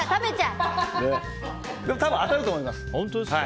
多分当たると思います。